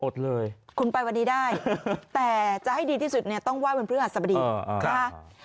อดเลยคุณไปวันนี้ได้แต่จะให้ดีที่สุดเนี่ยต้องไว้วันเพื่อสะบดีเอออ่า